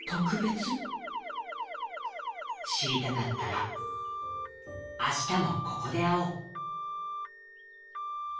「しりたかったらあしたもここであおう」。